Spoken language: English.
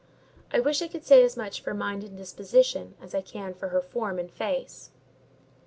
I wish I could say as much for mind and disposition as I can for her form and face.